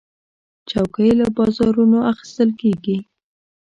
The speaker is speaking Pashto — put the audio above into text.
چوکۍ له بازارونو اخیستل کېږي.